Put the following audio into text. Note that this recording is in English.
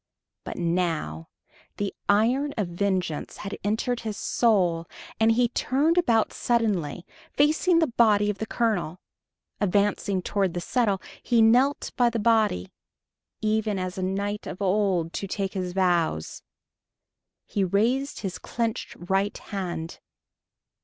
But now the iron of vengeance had entered his soul; and he turned about suddenly, facing the body of the colonel. Advancing toward the settle, he knelt by the body, even as a knight of old, to take his vows. He raised his clenched right hand.